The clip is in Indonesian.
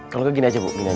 kalau gitu gini aja bu